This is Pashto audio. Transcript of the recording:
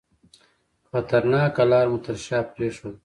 خطرناکه لار مو تر شاه پرېښوده.